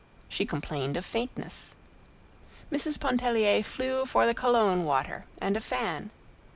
She complained of faintness. Mrs. Pontellier flew for the cologne water and a fan.